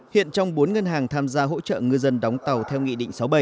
hiện trong bốn ngân hàng tham gia hỗ trợ ngư dân đóng tàu theo nghị định sáu mươi bảy